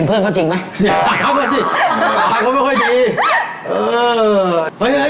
โอ๊คคือเข้ามาได้ยังไง